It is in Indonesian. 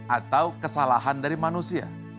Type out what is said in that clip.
atau kesalahan dari manusia